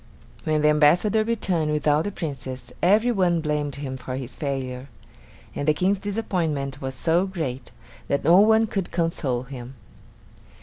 When the ambassador returned without the Princess, every one blamed him for his failure; and the King's disappointment was so great that no one could console him.